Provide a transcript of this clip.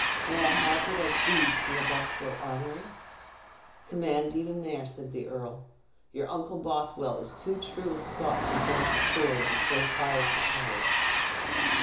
"May I have what I please from the Bothwell armory?" "Command even there," said the earl; "your uncle Bothwell is too true a Scot to grudge a sword in so pious a cause."